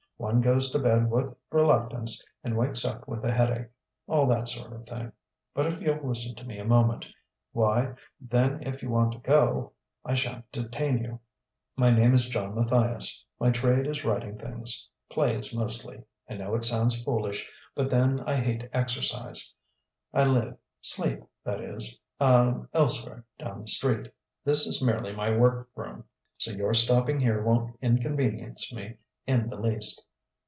One goes to bed with reluctance and wakes up with a headache. All that sort of thing.... But if you'll listen to me a moment why, then if you want to go, I shan't detain you.... My name is John Matthias. My trade is writing things plays, mostly: I know it sounds foolish, but then I hate exercise. I live sleep, that is ah elsewhere down the street. This is merely my work room. So your stopping here won't inconvenience me in the least...."